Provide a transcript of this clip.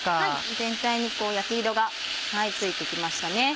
全体に焼き色がついてきましたね。